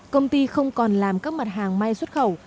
công ty không còn làm các mặt hàng may xuất khẩu